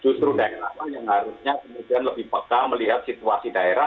justru daerah lah yang harusnya kemudian lebih peka melihat situasi daerah